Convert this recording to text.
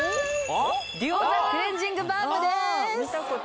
ＤＵＯザクレンジングバームですああ